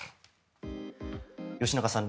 吉永さん